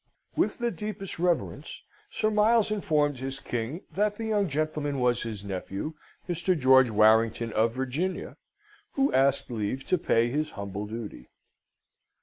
With the deepest reverence Sir Miles informed his King, that the young gentleman was his nephew, Mr. George Warrington, of Virginia, who asked leave to pay his humble duty.